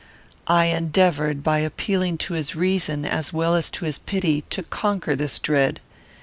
I endeavoured, by appealing to his reason as well as to his pity, to conquer this dread.